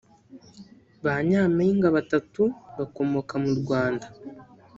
Ba Nyampinga batatu bakomoka mu Rwanda